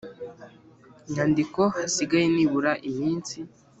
nyandiko hasigaye nibura iminsi